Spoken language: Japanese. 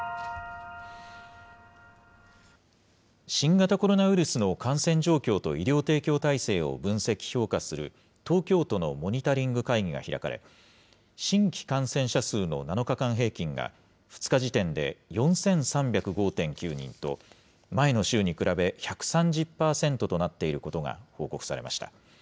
新型コロナウイルスの感染状況と医療提供体制を分析、評価する東京都のモニタリング会議が開かれ、新規感染者数の７日間平均が、２日時点で４３０５．９人と、前の週に比べ、１３０％となっていることが報告されました。